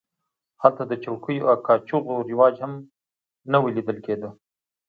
هلته د چوکیو او کاچوغو رواج هم نه و لیدل کېده.